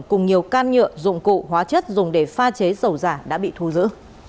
cùng nhiều can nhựa dụng cụ hóa chất dùng để pha chế dầu giả đã bị thu giữ